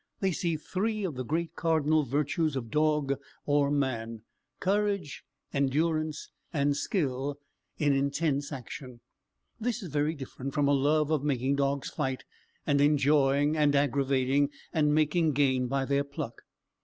They see three of the great cardinal virtues of dog or man courage, endurance, and skill in intense action. This is very different from a love of making dogs fight, and enjoying, and aggravating, and making gain by their pluck.